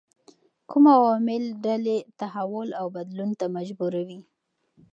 کوم عوامل ډلې تحول او بدلون ته مجبوروي؟